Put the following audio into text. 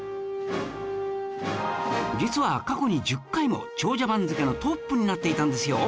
実は過去に１０回も長者番付のトップになっていたんですよ